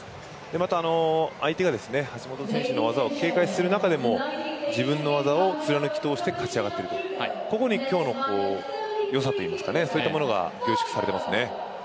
また相手が橋本選手の技を警戒する中でも自分の技を貫き通して勝ち上がってるここに今日の良さが凝縮されてますね。